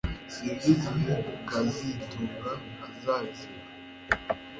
Sinzi igihe kazitunga azazira